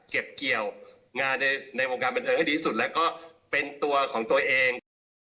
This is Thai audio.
เก็บเกี่ยวงานในวงการบันเทิงให้ดีสุดแล้วก็เป็นตัวของตัวเอง